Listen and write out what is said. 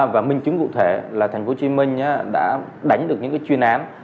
và minh chứng cụ thể là thành phố hồ chí minh đã đánh được những chuyên án